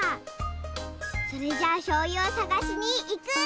それじゃあしょうゆをさがしにいく。